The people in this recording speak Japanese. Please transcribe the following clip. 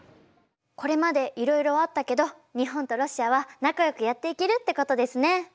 これまでいろいろあったけど日本とロシアは仲良くやっていけるってことですね。